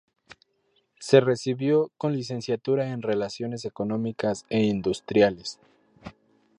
Se recibió con licenciatura en Relaciones Económicas e Industriales.